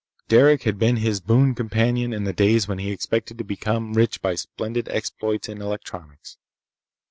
Derec had been his boon companion in the days when he expected to become rich by splendid exploits in electronics.